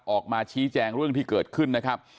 ออกมาชี้แจงเรื่องที่เกิดขึ้นนะครับ